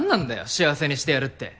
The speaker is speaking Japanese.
幸せにしてやるって。